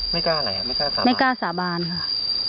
ไม่กาอะไรหรอไม่การสาบานสาบานค่ะ